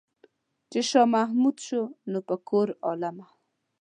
چې شاه محمود شو نن په کور عالمه.